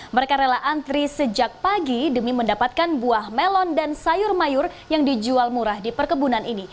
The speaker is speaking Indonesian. mereka rela antri sejak pagi demi mendapatkan buah melon dan sayur mayur yang dijual murah di perkebunan ini